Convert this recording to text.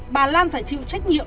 bà lan phải chịu trách nhiệm